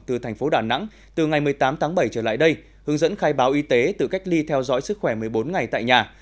từ thành phố đà nẵng từ ngày một mươi tám tháng bảy trở lại đây hướng dẫn khai báo y tế tự cách ly theo dõi sức khỏe một mươi bốn ngày tại nhà